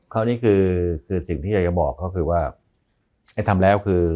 คราวนี้คือสิ่งที่อยากจะบอกก็คือว่าให้ทำแล้วคือ